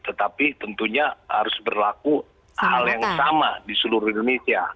tetapi tentunya harus berlaku hal yang sama di seluruh indonesia